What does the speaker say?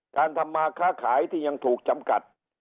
การทำมาค้าขายที่ยังถูกจำกัด